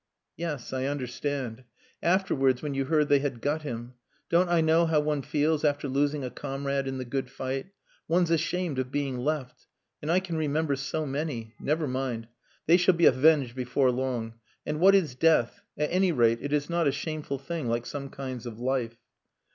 "Yes, I understand. Afterwards, when you heard they had got him. Don't I know how one feels after losing a comrade in the good fight? One's ashamed of being left. And I can remember so many. Never mind. They shall be avenged before long. And what is death? At any rate, it is not a shameful thing like some kinds of life."